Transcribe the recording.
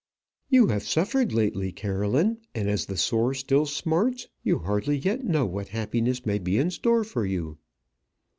"You have suffered lately, Caroline; and as the sore still smarts, you hardly yet know what happiness may be in store for you."